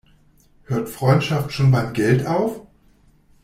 Hört Freundschaft schon beim Geld auf?